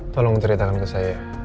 tolong ceritakan ke saya